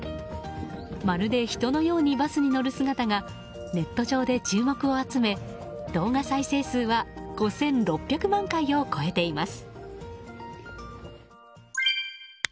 まるで人のようにバスに乗る姿がネット上で注目を集め動画再生数は５６００万回を超えています。